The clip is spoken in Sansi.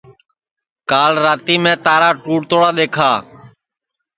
کال راتی میں تارا ٹُوٹ توڑا دؔیکھا